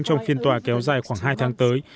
trong phiên tòa kéo dài khoảng hai tháng tới